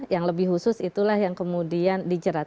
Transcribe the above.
yang lebih khusus itulah yang kemudian dijerat